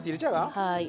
はい。